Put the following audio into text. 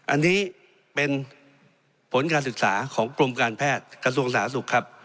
อันนี้เป็นผลการศึกษาของกรมการแพทย์กระทรวงสาธารณสุขครับ